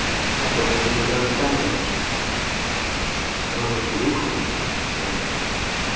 "I thought you did not understand Welsh." "Well, what do you call it?" said the woman.